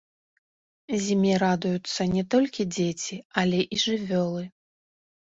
Зіме радуюцца не толькі дзеці, але і жывёлы.